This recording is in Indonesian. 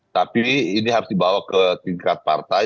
tapi ini harus dibawa ke tingkat partai